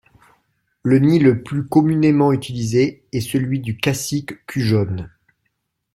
Le nid le plus communément utilisé est celui du Cassique cul-jaune.